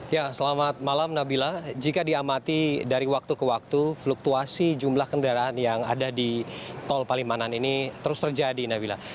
ya selamat malam nabila jika diamati dari waktu ke waktu fluktuasi jumlah kendaraan yang ada di tol palimanan ini terus terjadi nabila